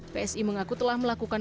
psi mengaku telah melakukan